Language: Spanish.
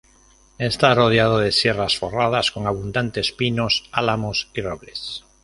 Está rodeado de sierras forradas con abundantes pinos, álamos y robles.